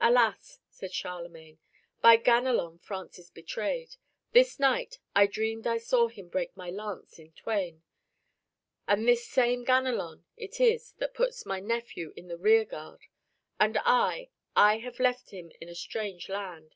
"Alas," said Charlemagne, "by Ganelon France is betrayed. This night I dreamed I saw him break my lance in twain. And this same Ganelon it is that puts my nephew in the rear guard. And I, I have left him in a strange land.